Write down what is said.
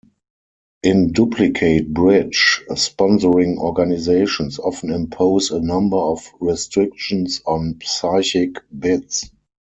In duplicate bridge, sponsoring organizations often impose a number of restrictions on psychic bids.